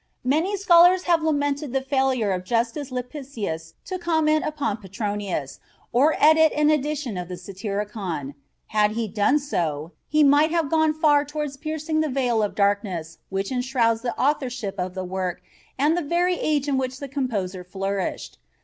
Many scholars have lamented the failure of Justus Lipsius to comment upon Petronius or edit an edition of the Satyricon. Had he done so, he might have gone far toward piercing the veil of darkness which enshrouds the authorship of the work and the very age in which the composer flourished.